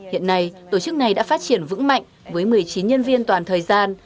hiện nay tổ chức này đã phát triển vững mạnh với một mươi chín nhân viên toàn thời gian